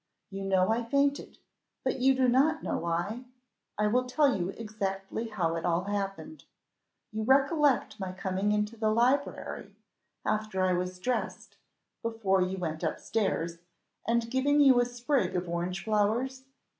You know I fainted, but you do not know why? I will tell you exactly how it all happened: you recollect my coming into the library after I was dressed, before you went up stairs, and giving you a sprig of orange flowers?"